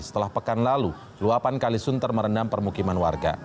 setelah pekan lalu luapan kalisunter merendam permukiman warga